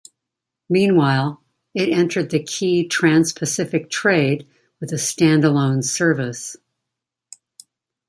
Meanwhile, it entered the key Trans-Pacific Trade with a standalone service.